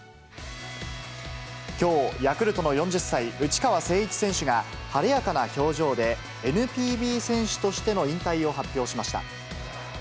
きょう、ヤクルトの４０歳、内川聖一選手が、晴れやかな表情で、ＮＰＢ選手としての引退を発表しました。